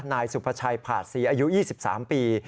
นายสุภาชัยผาดศรีอายุ๒๓ปี